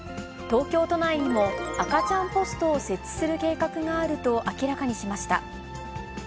東京都内にも、赤ちゃんポストを設置する計画があると明らかにしました。